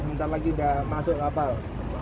sebentar lagi udah masuk kapal